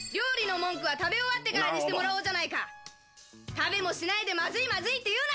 食べもしないで「まずいまずい」って言うな！